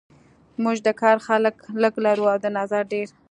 موږ د کار خلک لږ لرو او د نظر ډیر